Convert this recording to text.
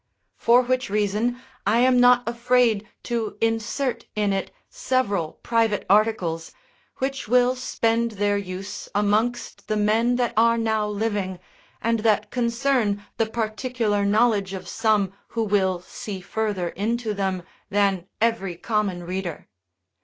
For which reason I am not afraid to insert in it several private articles, which will spend their use amongst the men that are now living, and that concern the particular knowledge of some who will see further into them than every common reader.